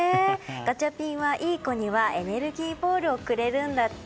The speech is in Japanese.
ガチャピンは、いい子にはエネルギーボールをくれるんだって。